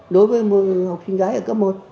đối với một học sinh gái ở cấp một